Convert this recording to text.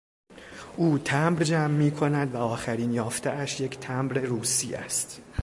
او تمبر جمع میکند و آخرین یافتهاش یک تمبر روسی است.